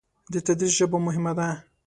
د تدریس ژبه مهمه ده.